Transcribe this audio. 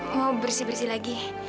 mau bersih bersih lagi